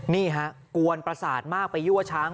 นี่ฮะกวนประสาทมากไปยั่วช้าง